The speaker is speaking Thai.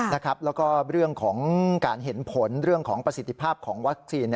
แล้วก็เรื่องของการเห็นผลเรื่องของประสิทธิภาพของวัคซีน